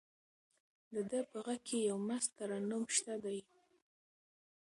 د ده په غږ کې یو مست ترنم شته دی.